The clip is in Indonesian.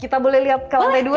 kita boleh lihat kalau ada dua